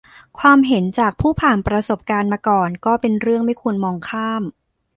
ความเห็นจากผู้ผ่านประสบการณ์มาก่อนก็เป็นเรื่องไม่ควรมองข้าม